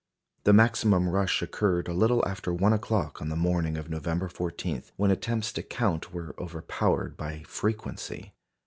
The maximum rush occurred a little after one o'clock on the morning of November 14, when attempts to count were overpowered by frequency.